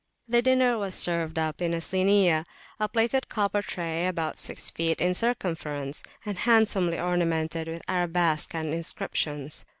The dinner was served up in a Sini, a plated copper tray about six feet in circumference, and handsomely ornamented with arabesques and inscriptions.